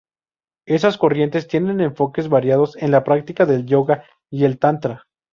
Esas corrientes tienen enfoques variados en la práctica del yoga y el tantra.